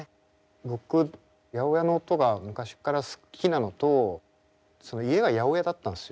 僕８０８の音が昔から好きなのと家が八百屋だったんすよ。